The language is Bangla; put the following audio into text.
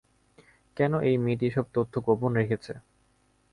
কেন এই মেয়েটি এইসব তথ্য গোপন রেখেছে?